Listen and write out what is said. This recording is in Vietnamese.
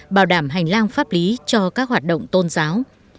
bảo đảm hành lang pháp lý cho các hoạt động tôn giáo